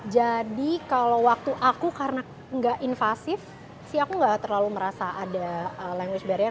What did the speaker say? jadi kalau waktu aku karena enggak invasif sih aku enggak terlalu merasa ada language barrier